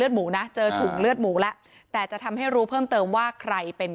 อรุณเริร์กทวิน